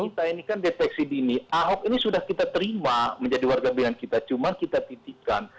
jadi kita ini kan deteksi dini ahop ini sudah kita terima menjadi warga binatang kita cuma kita titipkan